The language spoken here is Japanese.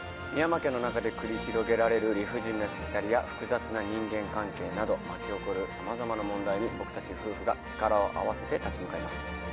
深山家の中で繰り広げられる理不尽なしきたりや複雑な人間関係など巻き起こる様々な問題に僕たち夫婦が力を合わせて立ち向かいます。